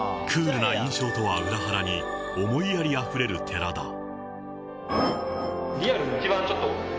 クールな印象とは裏腹に思いやりあふれる寺田。